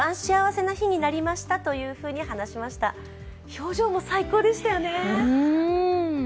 表情も最高でしたよね。